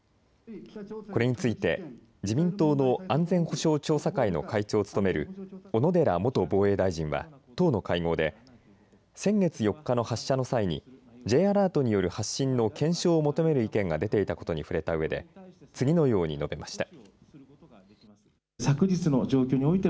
これについて自民党の安全保障調査会の会長を務める小野寺元防衛大臣は党の会合で先月４日の発射の際にＪアラートによる発信の検証を求める意見が出ていたことに触れたうえで次のように述べました。